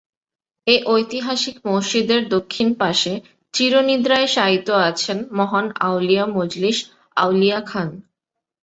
এ ঐতিহাসিক মসজিদের দক্ষিণ পাশে চির নিন্দ্রায় শায়িত আছেন মহান আউলিয়া মজলিস আউলিয়া খান।